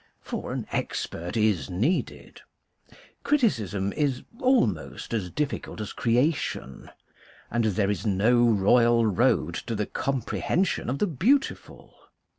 For an expert is needed. Criticism is almost as difficult as creation, and there is no royal road to the comprehension of the beautiful.